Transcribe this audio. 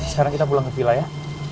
sekarang kita pulang ke vila ya